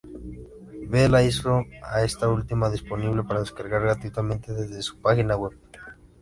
Bela hizo a esta última disponible para descargar gratuitamente desde su página web.